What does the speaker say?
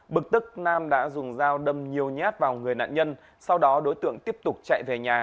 bực tức nam đã dùng dao đâm nhiều nhát vào người nạn nhân sau đó đối tượng tiếp tục chạy về nhà